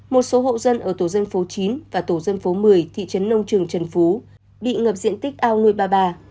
một số hộ dân ở tổ dân phố chín và tổ dân phố một mươi thị trấn nông trường trần phú bị ngập diện tích ao nuôi ba bà